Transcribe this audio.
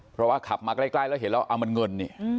เพราะว่าขับมาใกล้แล้วเห็นแล้วเอามันเงินนี่